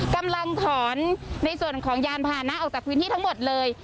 กำลังถอนในส่วนของยานพานะออกจากพื้นที่ทั้งหมดเลย